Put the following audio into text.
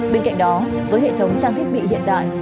bên cạnh đó với hệ thống trang thiết bị hiện đại